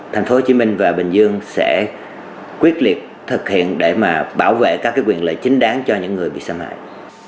thành phố hồ chí minh và bình dương sẽ quyết liệt thực hiện để mà bảo vệ các quyền lợi chính đáng cho những người bị xâm hại